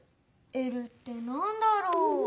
「Ｌ」ってなんだろう？